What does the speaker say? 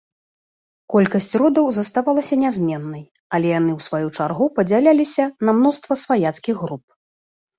Колькасць родаў заставалася нязменнай, але яны ў сваю чаргу падзяляліся на мноства сваяцкіх груп.